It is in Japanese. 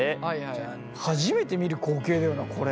初めて見る光景だよなこれ。